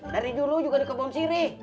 dari dulu juga di kebon sirih